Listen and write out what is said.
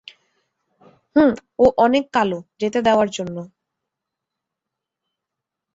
হুম, ও অনেক কালো, যেতে দেওয়া জন্য।